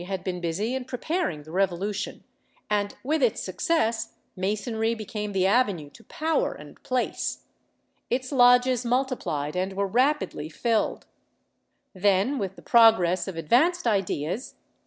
I] SUICIDE OF LIBERALISM 439 been busy in preparing the revolution, and with its success Masonry became the avenue to power and place; its lodges multiplied and were rapidly filled. Then, with the progress of advanced ideas.